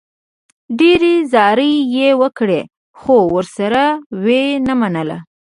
ډېرې زارۍ یې وکړې، خو ورسره و یې نه منله.